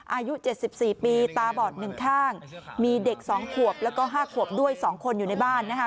อายุเจ็ดสิบสี่ปีตาบอดหนึ่งข้างมีเด็กสองขวบแล้วก็ห้าขวบด้วยสองคนอยู่ในบ้านนะฮะ